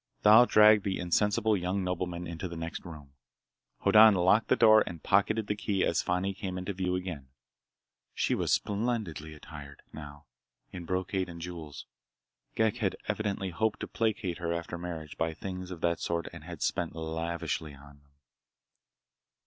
Thal dragged the insensible young nobleman into the next room. Hoddan locked the door and pocketed the key as Fani came into view again. She was splendidly attired, now, in brocade and jewels. Ghek had evidently hoped to placate her after marriage by things of that sort and had spent lavishly for them.